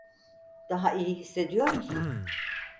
Daha iyi hissediyor musun?